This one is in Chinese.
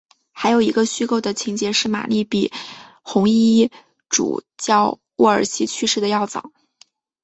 还有一个虚构的情节是玛丽比红衣主教沃尔西去世的要早。